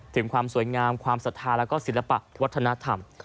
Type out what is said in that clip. ถึงความสวยงามความศรัทธาแล้วก็ศิลปะวัฒนธรรม